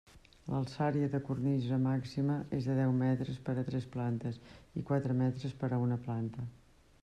L'alçària de cornisa màxima és de deu metres per a tres plantes i quatre metres per a una planta.